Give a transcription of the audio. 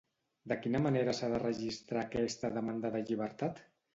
De quina manera s'ha de registrar aquesta demanda de llibertat?